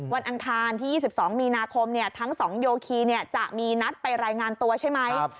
อังคารที่๒๒มีนาคมทั้ง๒โยคีจะมีนัดไปรายงานตัวใช่ไหม